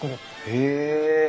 へえ。